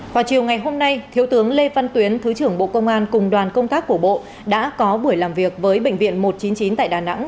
vào chiều ngày hôm nay thiếu tướng lê văn tuyến thứ trưởng bộ công an cùng đoàn công tác của bộ đã có buổi làm việc với bệnh viện một trăm chín mươi chín tại đà nẵng